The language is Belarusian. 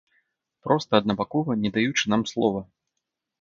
Проста аднабакова, не даючы нам слова.